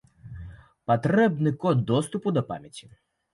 Патрэбны код доступу да памяці.